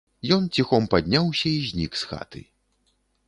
Ён ціхом падняўся і знік з хаты.